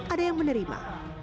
ada yang menerima